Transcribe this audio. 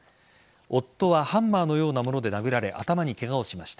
夫はハンマーのようなもので殴られ頭にケガをしました。